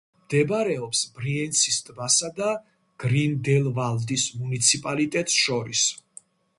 მდებარეობს ბრიენცის ტბასა და გრინდელვალდის მუნიციპალიტეტს შორის.